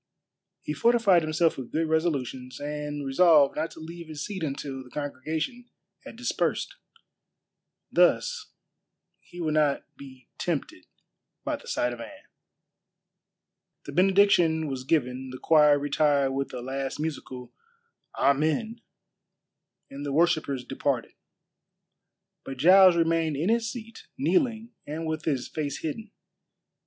He fortified himself with good resolutions, and resolved not to leave his seat until the congregation had dispersed. Thus he would not be tempted by the sight of Anne. The benediction was given, the choir retired with a last musical "Amen," and the worshippers departed. But Giles remained in his seat, kneeling and with his face hidden.